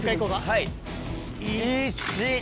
はい。